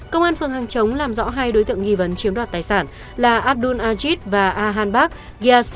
công an phường hàng chống làm rõ hai đối tượng nghi vấn chiếm đoạt tài sản là abdul ajit và jahan bashir ghiasi